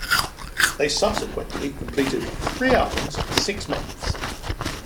They subsequently completed three albums in six months.